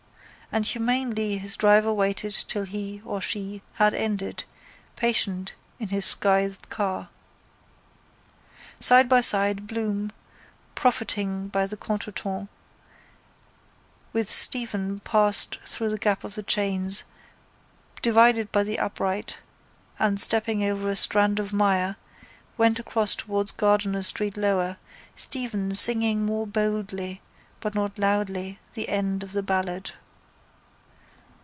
And humanely his driver waited till he (or she) had ended, patient in his scythed car. Side by side Bloom, profiting by the contretemps, with Stephen passed through the gap of the chains, divided by the upright, and, stepping over a strand of mire, went across towards Gardiner street lower, Stephen singing more boldly, but not loudly, the end of the ballad.